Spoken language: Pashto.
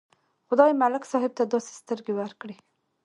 خدای ملک صاحب ته داسې سترګې ورکړې.